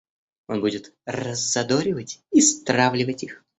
Он будет раззадоривать и стравливать их.